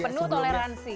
yang penuh toleransi